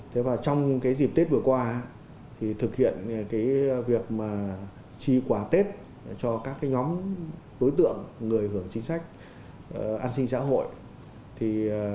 trong dịp tết vừa qua thực hiện việc tri quả tết cho các nhóm đối tượng người hưởng chính sách an sinh xã hội